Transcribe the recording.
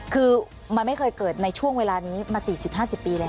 คือมันไม่เคยเกิดในช่วงเวลานี้มา๔๐๕๐ปีแล้ว